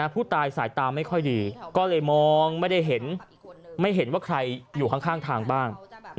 ผู้ตายสายตาไม่ค่อยดีก็เลยมองไม่ได้เห็นไม่เห็นว่าใครอยู่ข้างทางบ้าง